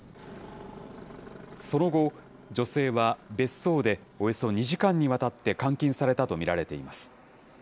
その後、女性は別荘でおよそ２時間にわたって監禁されたと見られています。